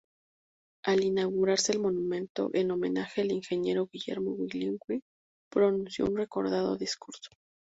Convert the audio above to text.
Al inaugurarse el monumento en homenaje al ingeniero Guillermo Wheelwright, pronunció un recordado discurso.